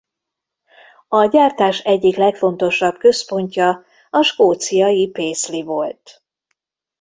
A gyártás egyik legfontosabb központja a skóciai Paisley volt.